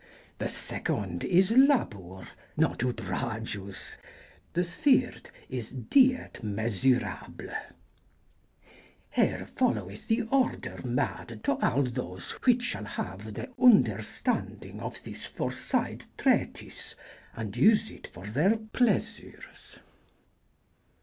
The seconde is labour not outrageo. The thyrd is dyete mesurable.... Here folowyth the order made to all those whiche shall haue the vnderstondynge of this forsayd treatyse & vse it for theyr pleasures.